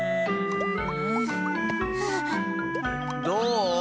どう？